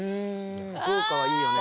福岡はいいよね。